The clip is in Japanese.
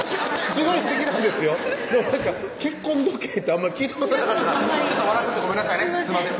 すごいすてきなんですよでもなんか結婚時計ってあんまり聞いたことなかったから笑っちゃってごめんなさいねすいません